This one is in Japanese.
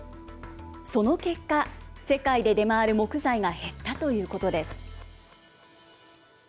その結果、世界で出回る木材が減ったということです。